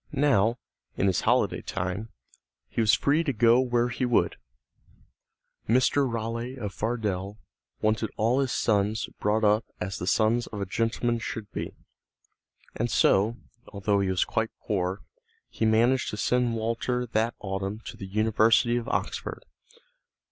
Now, in his holiday time, he was free to go where he would. [Illustration: WALTER RALEIGH AND THE FISHERMAN OF DEVON] Mr. Raleigh of Fardell wanted all his sons brought up as the sons of a gentleman should be, and so, although he was quite poor, he managed to send Walter that autumn to the University of Oxford.